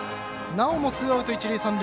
なおもツーアウト、一塁三塁。